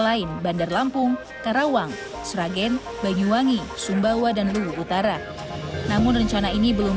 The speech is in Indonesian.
lain bandar lampung karawang sragen banyuwangi sumbawa dan luhu utara namun rencana ini belum